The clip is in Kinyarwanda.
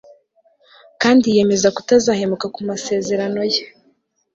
kandi yiyemeza kutazahemuka ku masezerano ye